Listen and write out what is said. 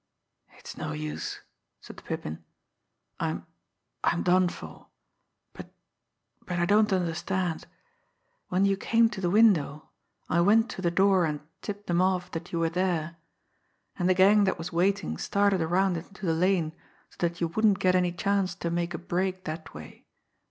"It's no use," said the Pippin. "I'm I'm done for. But but I don't understand. When you came to the window, I went to the door and tipped them off that you were there, and the gang that was waiting started around into the lane so that you wouldn't get any chance to make a break that way.